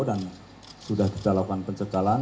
dan sudah kita lakukan pencegahan